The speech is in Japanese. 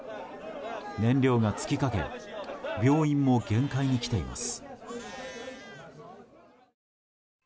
燃料が尽きかけ病院も限界に来ています。